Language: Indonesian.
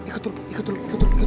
ikut dulu ikut dulu